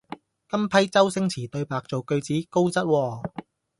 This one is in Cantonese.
今批周星馳對白做句子高質喎